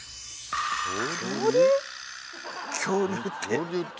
恐竜って？